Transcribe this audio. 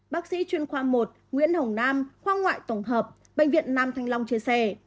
bác sĩ chuyên khoa một nguyễn hồng nam khoa ngoại tổng hợp bệnh viện nam thanh long chia sẻ